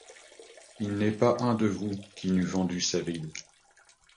Il n'est pas un de vous qui n'eût vendu sa ville.